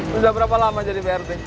sudah berapa lama jadi prt